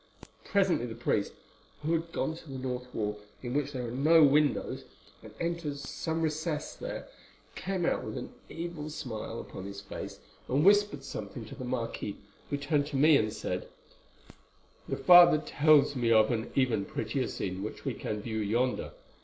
Presently the priest, who had gone to the north wall, in which there are no windows, and entered some recess there, came out with an evil smile upon his face, and whispered something to the marquis, who turned to me and said: "'The father tells me of an even prettier scene which we can view yonder.